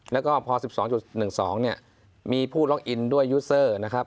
แล้วก็พอ๑๒๑๒เนี่ยมีผู้ล็อกอินด้วยยูเซอร์นะครับ